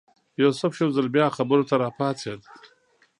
یوسف یو ځل بیا خبرو ته راپاڅېد.